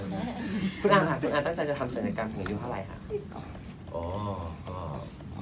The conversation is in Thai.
คุณอาจารย์ตั้งใจจะทำสถานการณ์ของคุณอยู่เท่าไรฮะ